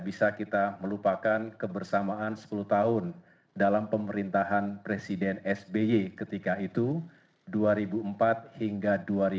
bisa kita melupakan kebersamaan sepuluh tahun dalam pemerintahan presiden sby ketika itu dua ribu empat hingga dua ribu empat